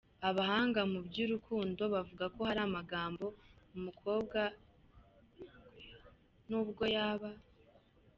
Abahanga mu by’urukundo bavuga ko hari amagambo umukobwa n’ubwo yaba.